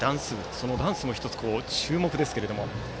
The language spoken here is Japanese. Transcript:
そのダンスも１つ注目ですが。